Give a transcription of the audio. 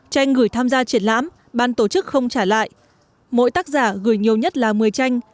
tranh gửi tham gia triển lãm ban tổ chức không trả lại mỗi tác giả gửi nhiều nhất là một mươi tranh